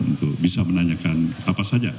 untuk bisa menanyakan apa saja